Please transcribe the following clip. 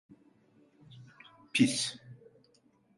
Pis…